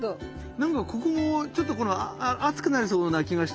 なんかここもちょっと熱くなりそうな気がして。